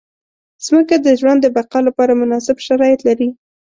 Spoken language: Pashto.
مځکه د ژوند د بقا لپاره مناسب شرایط لري.